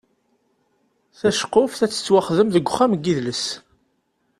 Taceqquft ad tettwaxdem deg uxxam n yidles.